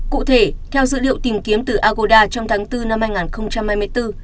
cụ thể theo dữ liệu tìm kiếm từ agoda trong tháng bốn năm hai nghìn hai mươi bốn